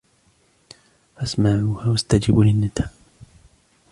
فاسمعوها واستجيبوا للندا